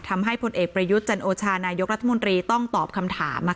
ผลเอกประยุทธ์จันโอชานายกรัฐมนตรีต้องตอบคำถาม